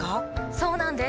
そうなんです。